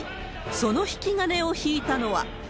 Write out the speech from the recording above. その引き金を引いたのは。